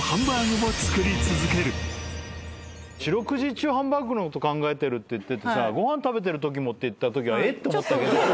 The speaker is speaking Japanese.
四六時中ハンバーグのこと考えてるって言っててさ「ご飯食べてるときも」って言ったときは「えっ！？」っと思ったけど。